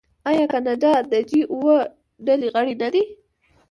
آیا کاناډا د جي اوه ډلې غړی نه دی؟